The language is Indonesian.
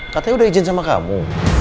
katanya udah izin sama kamu